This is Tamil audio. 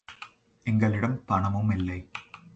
எங்களிடம் பணமும் இல்லை.